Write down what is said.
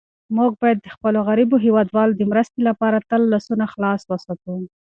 موږ باید د خپلو غریبو هېوادوالو د مرستې لپاره تل لاسونه خلاص وساتو.